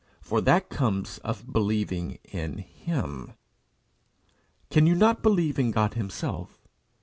For that comes of believing in HIM. Can you not believe in God himself?